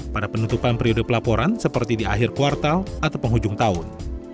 pada penutupan periode pelaporan seperti di akhir kuartal atau penghujung tahun